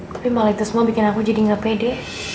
tapi malah itu semua bikin aku jadi nggak pede